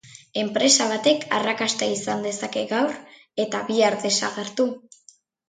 Enpresa batek arrakasta izan dezake gaur eta bihar desagertu.